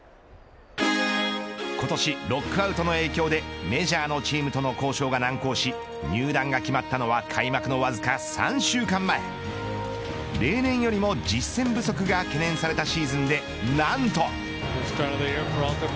今年、ロックアウトの影響でメジャーのチームとの交渉が難航し入団が決まったのは開幕のわずか３週間前例年よりも実戦不足が懸念されたシーズンで何と。